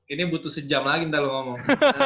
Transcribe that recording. ini butuh sejam lagi ntar lu ngomong